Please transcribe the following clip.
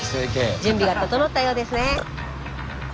準備が整ったようですね。